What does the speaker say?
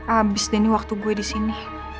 abis deh nih waktu gue disini